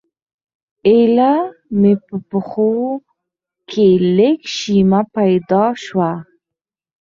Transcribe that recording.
ایله مې پښو کې لږه شیمه پیدا شوه.